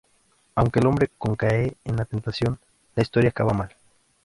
Aunque el hombre con cae en la tentación, la historia acaba mal.